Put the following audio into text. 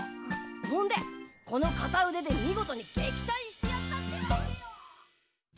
ほんでこの片腕で見事に撃退してやったってわけよ。